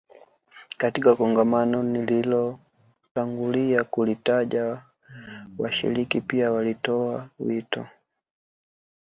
Katika kongamano nililotangulia kulitaja washiriki pia walitoa wito